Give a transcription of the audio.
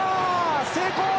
成功！